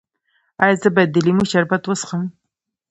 ایا زه باید د لیمو شربت وڅښم؟